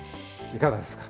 いかがですか？